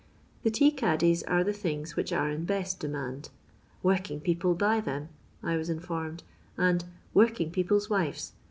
The tea caddies are the things which are in best demand. " Working people buy them," I was informed, and "working people's wives.